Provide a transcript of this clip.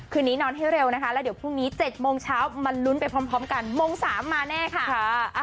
คืนนี้นอนให้เร็วนะคะแล้วเดี๋ยวพรุ่งนี้๗โมงเช้ามาลุ้นไปพร้อมกันโมง๓มาแน่ค่ะ